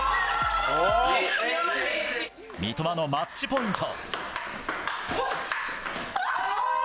三笘のマッチポイント。